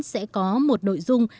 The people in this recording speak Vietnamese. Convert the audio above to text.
sẽ có một nội dung